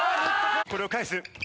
これを返す。